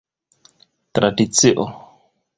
Tradicio.